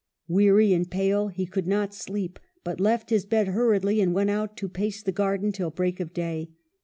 Weary and pale, he could not sleep ; but left his bed hurriedly, and went out to pace the garden till break of day.